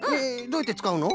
どうやってつかうの？